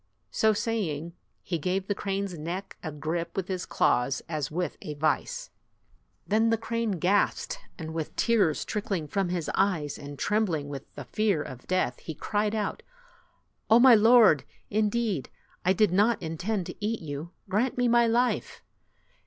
So saying, he gave the crane's neck a grip with his claws as with a vise. Then the crane gasped, and with tears trick ling from his eyes, and trembling with the fear of death, he cried out, "Oh, my lord! Indeed, I did not intend to eat you. Grant me my life."